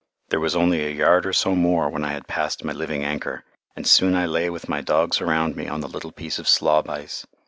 There was only a yard or so more when I had passed my living anchor, and soon I lay with my dogs around me on the little piece of slob ice.